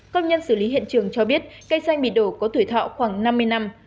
công nhân xử lý hiện trường cho biết cây xanh bị đổ có tuổi thọ khoảng năm mươi năm